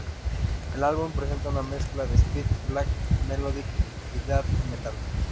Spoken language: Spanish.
El álbum presenta una mezcla de speed, black melodic y death metal.